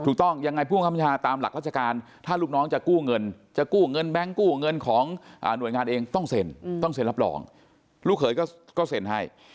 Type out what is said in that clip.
ถูกต้องยังไงผู้บังคับบัญชาตามหลักราชการถ้าลูกน้องจะกู้เงินจะกู้เงินแบงค์กู้เงินของหน่วยงานเองต้องเซ็นต้องเซ็นรับรองลูกเขยก็เซ็นให้